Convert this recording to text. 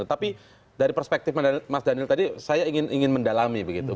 tapi dari perspektif mas daniel tadi saya ingin mendalami begitu